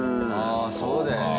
あそうだよね。